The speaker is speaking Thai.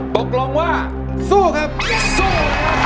ตกลงว่าสู้ครับสู้